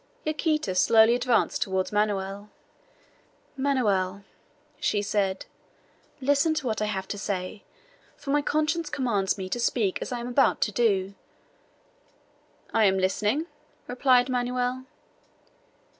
Yaquita slowly advanced toward Manoel. "Manoel," she said, "listen to what I have to say, for my conscience commands me to speak as I am about to do." "I am listening," replied Manoel.